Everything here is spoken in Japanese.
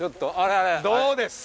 どうです？